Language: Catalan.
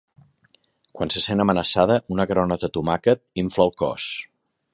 Quan se sent amenaçada, una granota tomàquet infla el cos.